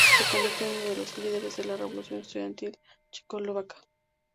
Se convirtió en unos de los líderes de la revolución estudiantil checoslovaca.